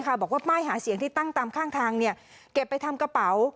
บอกว่าป้ายหาเสียงที่ตั้งตามข้างทางเก็บไปทำกระเป๋า